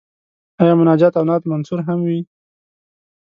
آیا مناجات او نعت منثور هم وي.